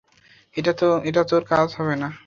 এটা তোর কাজ হবে না?